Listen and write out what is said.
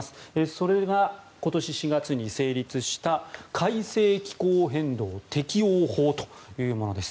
それが今年４月に成立した改正気候変動適応法というものです。